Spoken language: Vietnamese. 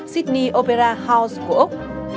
sydney opera house của úc